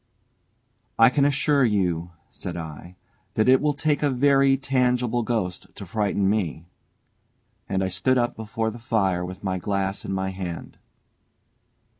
"I can assure you," said I, "that it will take a very tangible ghost to frighten me." And I stood up before the fire with my glass in my hand.